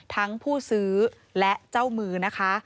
ผู้ซื้อและเจ้ามือนะคะ